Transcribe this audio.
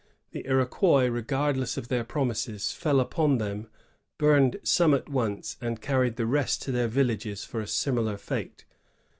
The Iroquois, regard less of their promises, fell upon them, burned some at once, and carried the rest to their villages for a similar fate.